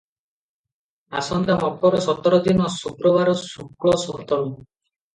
ଆସନ୍ତା ମକର ସତର ଦିନ, ଶୁକ୍ରବାର, ଶୁକ୍ଳ ସପ୍ତମୀ ।